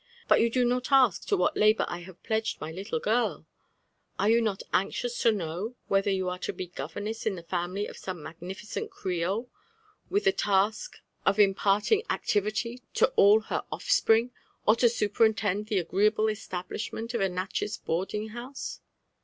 But you do not aadk to what labour I have pledged my little girl? — ^Are you not anxious to know whether you are to be governess in the family of some magnificent creole, with the task of imparting Ida Un AKH ADVENTURES CyT aetivHy to all her itfipriiig? cr to snperiiitond tbeagreeible establi^h mmi of ft Natobez boardiag^boiMe?"